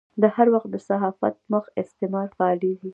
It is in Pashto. د هر وخت د صحافت مخ استعمار فعالېږي.